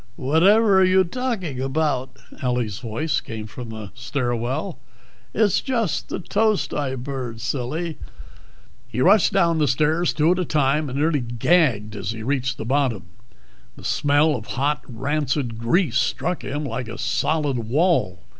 "Whadtever are you talking about?" Ellie's voice came from the stair well. "It's just the toast I burned, silly." He rushed down the stairs two at a time and nearly gagged as he reached the bottom. The smell of hot, rancid grease struck him like a solid wall.